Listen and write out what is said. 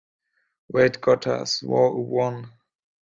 Rate Gota's War a one